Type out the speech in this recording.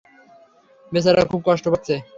বেচারা খুব কষ্ট পাচ্ছে।